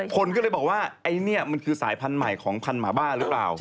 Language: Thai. คนก็เลยบอกว่าไอ้นี่มันคือสายพันธุ์ใหม่ของพันธมาบ้าหรือเปล่า